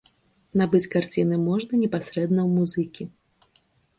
Набыць карціны можна непасрэдна ў музыкі.